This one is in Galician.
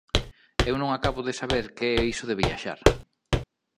Eu non acabo de saber que é iso de viaxar.